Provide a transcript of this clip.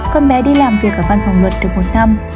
con bé đi làm việc ở văn phòng luật được một năm